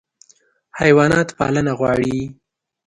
حیوانات پالنه غواړي.